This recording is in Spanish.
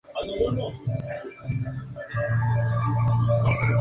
Debido al trauma que le causó esta tragedia, Carlos Augusto ha quedado impotente.